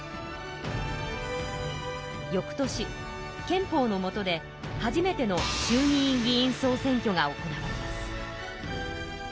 よく年憲法のもとで初めての衆議院議員総選挙が行われます。